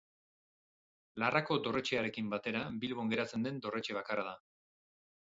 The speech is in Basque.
Larrako dorretxearekin batera Bilbon geratzen den dorretxe bakarra da.